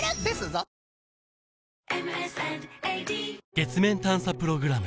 月面探査プログラム